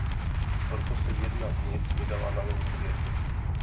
Proto se jedna z nich vydává na lov hvězdy.